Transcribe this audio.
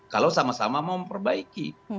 kalau sama sama mau memperbaiki